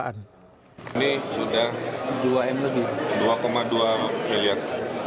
ini sudah dua dua miliar